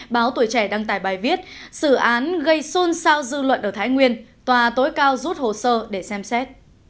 báo tuổi trẻ đăng tải bài viết xử án gây xôn xao dư luận ở thái nguyên tòa tối cao rút hồ sơ để xem xét